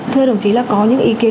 thưa đồng chí là có những ý kiến